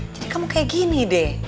kamu kayak gini deh